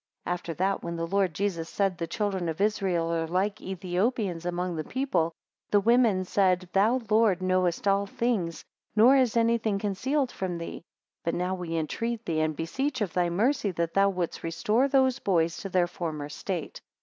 9 After that, when the Lord Jesus said, the children of Israel are like Ethiopians among the people; the women said, Thou, Lord, knowest all things, nor is any thing concealed from thee: but now we entreat thee, and beseech of thy mercy, that thou wouldest restore those boys to their former state.